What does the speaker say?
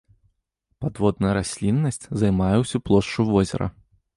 Падводная расліннасць займае ўсю плошчу возера.